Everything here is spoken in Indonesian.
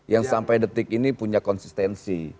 yang sampai detik ini punya konsistensi